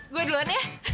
gue duluan ya